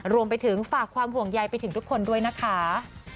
รวมไปถึงฝากความห่วงใยไปถึงทุกคนด้วยนะคะ